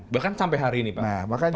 bahkan sampai hari ini pak